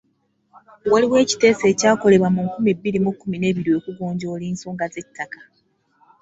Waliwo ekiteeso ekyakolebwa mu nkumi bbiri mu kkumi n'ebiri okugonjoola ensonga z'ettaka.